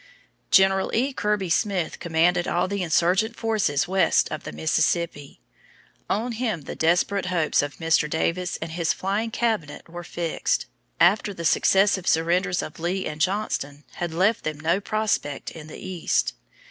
General E. Kirby Smith commanded all the insurgent forces west of the Mississippi. On him the desperate hopes of Mr. Davis and his flying cabinet were fixed, after the successive surrenders of Lee and Johnston had left them no prospect in the east.